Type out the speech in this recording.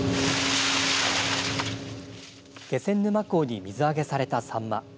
気仙沼港に水揚げされたサンマ。